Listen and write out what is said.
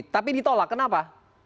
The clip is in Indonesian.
tapi ditolak kenapa